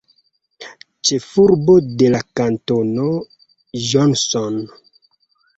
Ĉefurbo de la kantono Johnson.